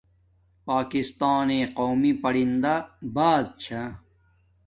پاکستانݵ قومی پرندہ باز چھا